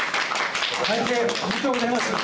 おめでとうございます。